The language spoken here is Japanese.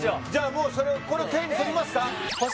もうこれ手に取りますか？